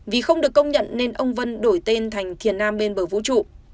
vì không được công nhận nên ông vân đổi tên thành thiền nam bên bờ vũ trụ